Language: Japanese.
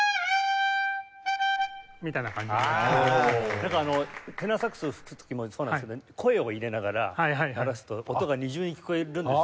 なんかテナーサックス吹く時もそうなんですけど声を入れながら鳴らすと音が二重に聞こえるんですよね。